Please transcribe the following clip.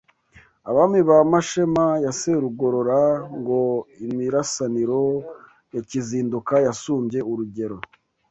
Abami ba Mashema ya Serugorora ngo imirasaniro ya Kizinduka Yasumbye urugero